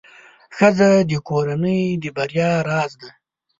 ښځه د کورنۍ د بریا راز ده.